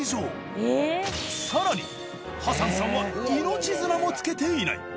さらにハサンさんは命綱も付けていない。